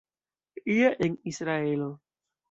Ie en Israelo.